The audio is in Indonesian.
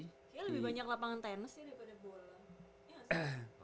kayaknya lebih banyak lapangan tenis sih daripada bola